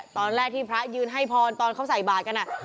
ตอนแรกที่พระยืนให้พรตอนเขาใส่บาทกัน